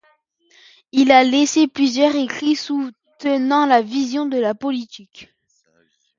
Il a laissé plusieurs écrits soutenant sa vision de la politique.